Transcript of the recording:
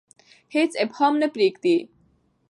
هیڅ ابهام نه پریږدي.